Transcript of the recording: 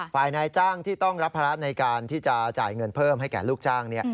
นายจ้างที่ต้องรับภาระในการที่จะจ่ายเงินเพิ่มให้แก่ลูกจ้าง